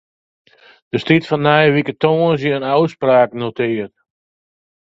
Der stiet foar nije wike tongersdei in ôfspraak notearre.